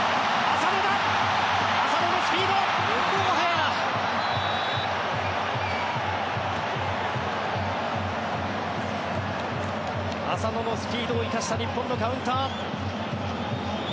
浅野のスピードを生かした日本のカウンター。